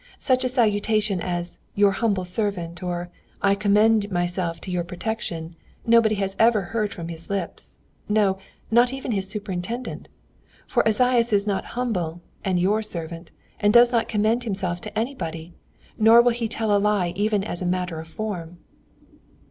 Such a salutation as 'Your humble servant!' or 'I commend myself to your protection!' nobody has ever heard from his lips no, not even his superintendent; for Esaias is not humble and not your servant, and does not commend himself to anybody, nor will he tell a lie even as a matter of form.